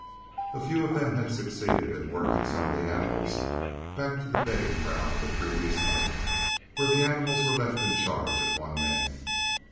A few of them had succeeded in working some of the animals back to the bedding ground of the previous night, where the animals were left in charge of one man.